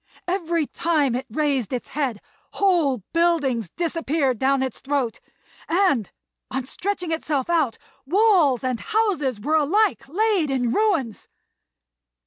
Every time it raised its head, whole buildings disappeared down its throat; and, on stretching itself out, walls and houses were alike laid in ruins.